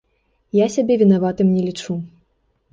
Я сябе вінаватым не лічу.